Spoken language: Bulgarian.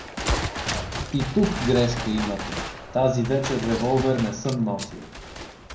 — И тук грешка имате: тази вечер револвер не съм носил.